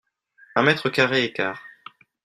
Un mètre-carré et quart.